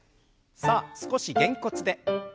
さあ少しげんこつで。